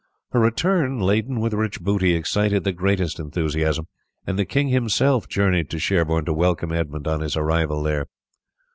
Her return laden with rich booty excited the greatest enthusiasm, and the king himself journeyed to Sherborne to welcome Edmund on his arrival there.